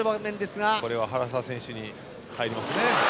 これは原沢選手に入ります。